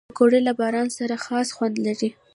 پکورې له باران سره خاص خوند لري